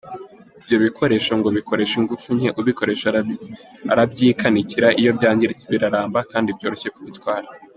Ibyo bikoresho ngo bikoresha ingufu nke, ubikoresha arabyikanikira iyo byangiritse, biraramba kandi byoroshye kubitwara.